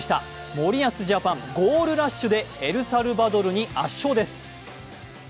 森保ジャパン、ゴールラッシュでエルサルバドルに圧勝です。